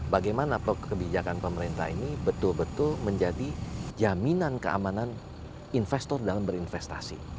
bagaimana kebijakan pemerintah ini betul betul menjadi jaminan keamanan investor dalam berinvestasi